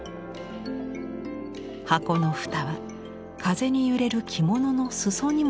箱の蓋は風に揺れる着物の裾にも見立てられます。